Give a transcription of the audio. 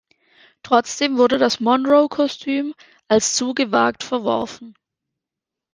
Trotzdem wurde das Monroe-Kostüm als zu gewagt verworfen.